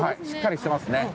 しっかりしていますね。